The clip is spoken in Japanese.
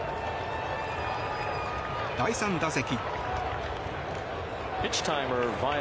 第３打席。